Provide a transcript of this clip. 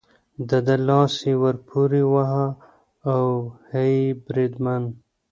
د ده لاس یې ور پورې وواهه، اوهې، بریدمن.